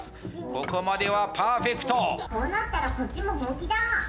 ここまではパーフェクト。